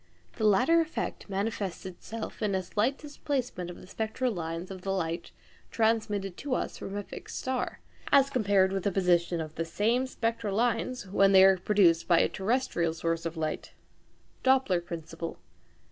The latter effect manifests itself in a slight displacement of the spectral lines of the light transmitted to us from a fixed star, as compared with the position of the same spectral lines when they are produced by a terrestrial source of light (Doppler principle).